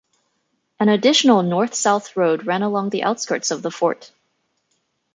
An additional north-south road ran along the outskirts of the fort.